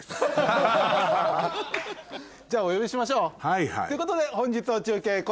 じゃお呼びしましょうということで本日の中継